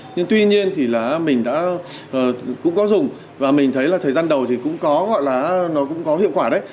nhưng tuy nhiên thì là mình đã cũng có dùng và mình thấy là thời gian đầu thì cũng có gọi là nó cũng có hiệu quả đấy